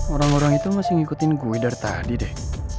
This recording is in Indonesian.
orang orang itu masih ngikutin gue dari tadi deh